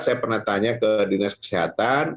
saya pernah tanya ke dinas kesehatan